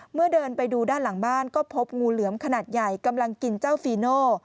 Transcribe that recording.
เดินไปดูด้านหลังบ้านก็พบงูเหลือมขนาดใหญ่กำลังกินเจ้าฟีโน่